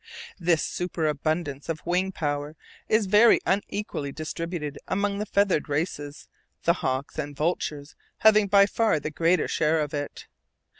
This superabundance of wing power is very unequally distributed among the feathered races, the hawks and vultures having by far the greater share of it.